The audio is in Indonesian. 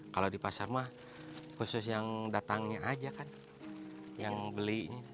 kalau di pasar mah khusus yang datangnya aja kan yang belinya